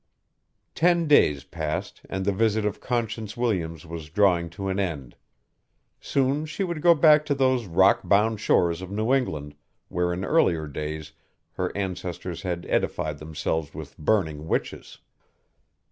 Ten days passed and the visit of Conscience Williams was drawing to an end. Soon she would go back to those rock bound shores of New England where in earlier days her ancestors had edified themselves with burning witches.